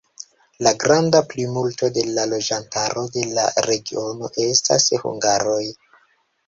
La granda plimulto de la loĝantaro de la regiono estas hungaroj.